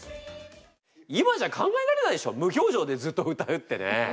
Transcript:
今じゃ考えられないでしょ無表情でずっと歌うってね。